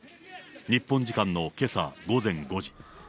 日本時間のけさ午前５時。